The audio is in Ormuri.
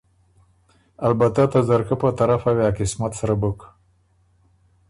البته ته ځرکه په طرفه وې ا قسمت سره بُک۔